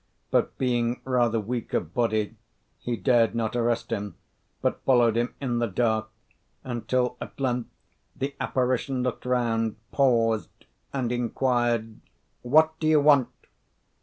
But being rather weak of body, he dared not arrest him, but followed him in the dark, until, at length, the apparition looked round, paused, and inquired, "What do you want?"